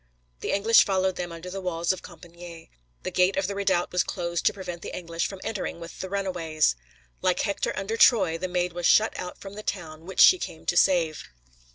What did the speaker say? The English followed them under the walls of Compičgne; the gate of the redoubt was closed to prevent the English from entering with the runaways. Like Hector under Troy, the Maid was shut out from the town which she came to save.